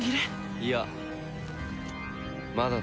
いやまだだ。